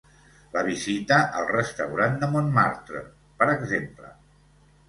La visita al restaurant de Montmartre, per exemple.